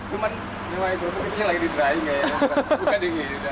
cuman wangi kerupuk ini lagi di drying